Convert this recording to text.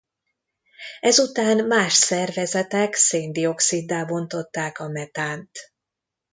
Ezután más szervezetek széndioxiddá bontották a metánt.